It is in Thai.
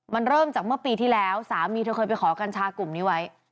มันเริ่มจากเมื่อปีที่แล้วสามีเธอเคยไปขอกัญชากลุ่มนี้ไว้